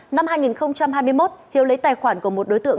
năm hai nghìn hai mươi một hiếu lấy tài khoản của một đối tượng